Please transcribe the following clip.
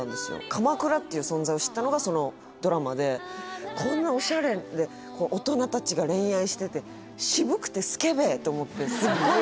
鎌倉っていう存在を知ったのがそのドラマでこんなオシャレで大人達が恋愛してて渋くてスケベと思ってえ？